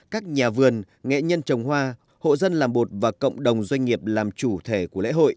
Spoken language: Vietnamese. các nhà vườn nghệ nhân trồng hoa hộ dân làm bột và cộng đồng doanh nghiệp làm chủ thể của lễ hội